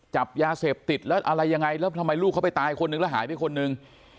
จับยาเสพติดแล้วอะไรยังไงแล้วทำไมลูกเขาไปตายคนนึงแล้วหายไปคนหนึ่ง